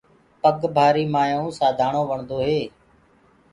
پگ ڀآري مآيآئوُنٚ سانڌآڻو وڻدو هي۔